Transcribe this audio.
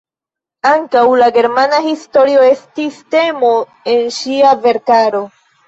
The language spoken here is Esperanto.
Ankaŭ la germana historio estis temo en ŝia verkaro.